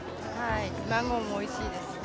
マンゴーもおいしいです。